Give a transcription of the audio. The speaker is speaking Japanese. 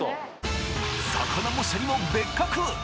魚もシャリも別格！